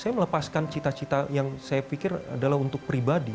saya melepaskan cita cita yang saya pikir adalah untuk pribadi